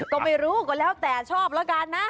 ก็ไม่รู้ก็แล้วแต่ชอบแล้วกันนะ